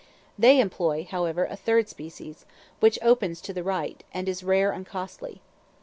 They employ, however, a third species, which opens to the right, and is rare and costly.